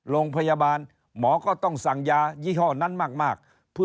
โรงพยาบาลหมอก็ต้องสั่งยายี่ห้อนั้นมาก